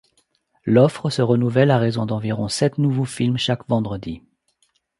L’offre se renouvelle à raison d’environ sept nouveaux films chaque vendredi.